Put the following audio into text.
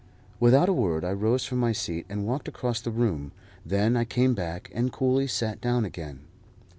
Without a word I rose from my seat and walked across the room; then I came back and coolly sat down again.